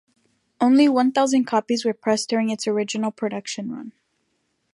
Only one thousand copies were pressed during its original production run.